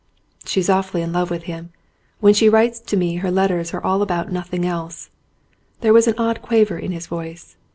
"She's awfully in love with him. When she writes to me her letters are about nothing else." There was an odd quaver in his voice.